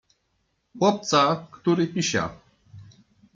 Chłopca, który pisia.